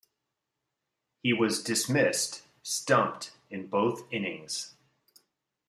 He was dismissed stumped in both innings.